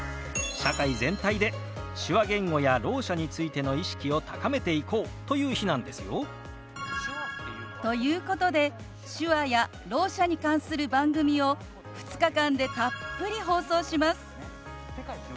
社会全体で手話言語やろう者についての意識を高めていこうという日なんですよ。ということで、手話やろう者に関する番組を２日間でたっぷり放送します